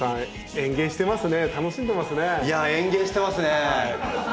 園芸してますね！